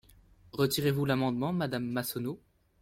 Retirez-vous l’amendement, madame Massonneau?